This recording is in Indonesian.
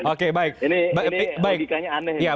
ini logikanya aneh